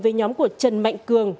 với nhóm của trần mạnh cường